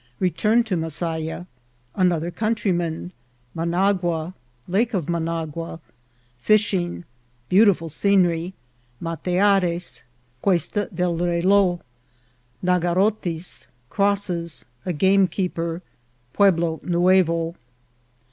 — Return to Masaya. — Another Countryman. — Managua. — Lake of Managua.— Fishing. — Beautiful Scenery. — Mateares. — Questa del Reloz. — Nagarotis. — Crosses. — A Gamekeeper. — Pueblo Nuevo.